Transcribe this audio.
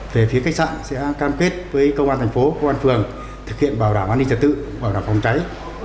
về phía khách sạn sẽ cam kết với công an thành phố công an phường thực hiện bảo đảm an ninh trật tự bảo đảm phòng cháy